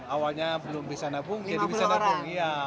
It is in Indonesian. awalnya belum bisa nabung jadi bisa nabung